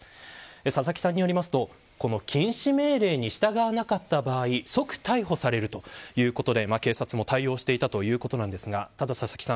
佐々木さんによりますとこの禁止命令に従わなかった場合即逮捕されるということで警察も対応していたということですがただ、佐々木さん